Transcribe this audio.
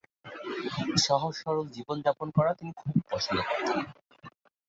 সহজ-সরল জীবন-যাপন করা তিনি খুব পছন্দ করতেন।